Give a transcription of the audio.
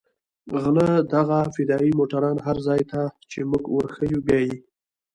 غله دغه فدايي موټران هر ځاى ته چې موږ وروښيو بيايي.